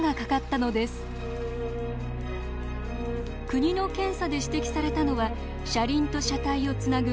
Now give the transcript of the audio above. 国の検査で指摘されたのは車輪と車体をつなぐ